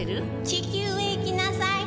「地球へ行きなさい」